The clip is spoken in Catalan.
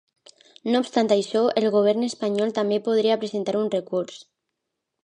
No obstant això, el govern espanyol també podria presentar un recurs.